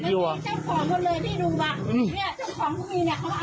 เจ้าของก็เลยที่ดูป่ะเจ้าของพี่เนี่ยเขาเอาของเขา